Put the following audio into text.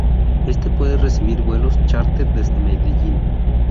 Este puede recibir vuelos chárter desde Medellín.